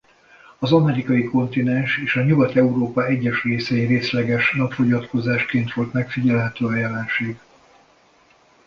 Az amerikai kontinens és Nyugat-Európa egyes részein részleges napfogyatkozásként volt megfigyelhető a jelenség.